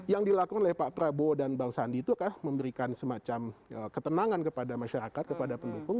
yang dilakukan oleh pak prabowo dan bang sandi itu kan memberikan semacam ketenangan kepada masyarakat kepada pendukung